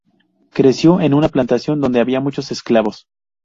Creció en una plantación, donde había muchos esclavos.